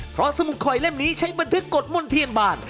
เพราะสมุดคอยเล่มนี้ใช้บันทึกกฎมนเทียนบาน